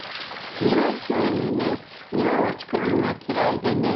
庭風に庭を造るのが嫌いでね